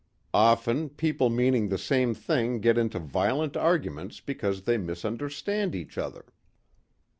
Often people meaning the same thing get into violent arguments because they misunderstand each other."